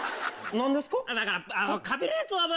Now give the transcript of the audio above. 何ですか？